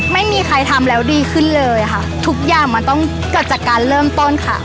ไม่มีใครทำแล้วดีขึ้นเลยค่ะทุกอย่างมันต้องเกิดจากการเริ่มต้นค่ะ